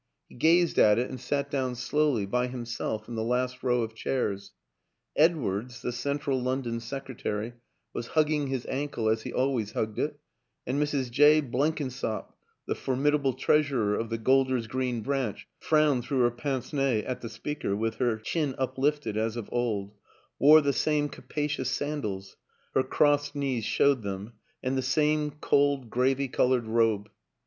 He gazed at it and sat down slowly by himself in the last row of chairs. ... Edwardes, the Central London sec retary, was hugging his ankle as he always hugged it, and Mrs. Jay Blenkinsop, the formidable treas urer of the Golder's Green branch, frowned through her pince nez at the speaker with her chin uplifted as of old, wore the same capacious sandals her crossed knees showed them and the same cold gravy colored robe.